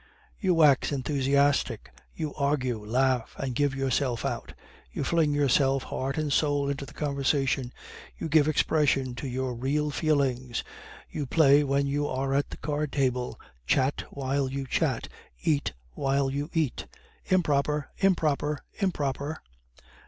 You wax enthusiastic, you argue, laugh, and give yourself out, you fling yourself heart and soul into the conversation, you give expression to your real feelings, you play when you are at the card table, chat while you chat, eat while you eat 'improper! improper! improper!